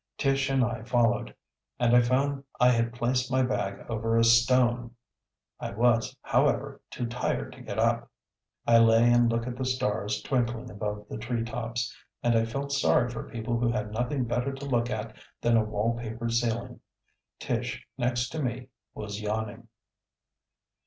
Tish and I followed, and I found I had placed my bag over a stone. I was, however, too tired to get up. I lay and looked at the stars twinkling above the treetops, and I felt sorry for people who had nothing better to look at than a wall papered ceiling. Tish, next to me, was yawning.